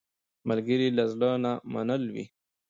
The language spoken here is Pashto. ملګری له زړه نه مل وي